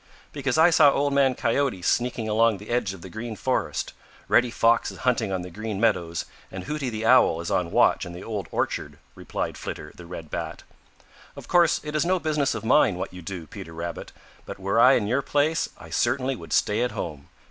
"Because I saw Old Man Coyote sneaking along the edge of the Green Forest, Reddy Fox is hunting on the Green Meadows, and Hooty the Owl is on watch in the Old Orchard," replied Flitter the Red Bat. "Of course it is no business of mine what you do, Peter Rabbit, but were I in your place I certainly would stay at home.